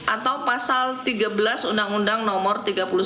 atau pasal tiga belas undang undang nomor tiga puluh satu